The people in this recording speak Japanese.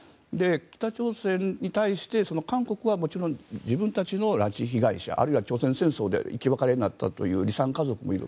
北朝鮮に対して韓国はもちろん自分たちの拉致被害者あるいは朝鮮戦争で生き別れになったという離散家族もいる。